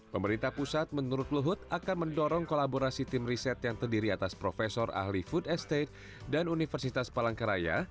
pemerintah pusat menurut luhut akan mendorong kolaborasi tim riset yang terdiri atas profesor ahli food estate dan universitas palangkaraya